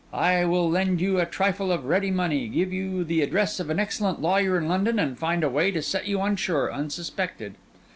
I will lend you a trifle of ready money, give you the address of an excellent lawyer in London, and find a way to set you on shore unsuspected.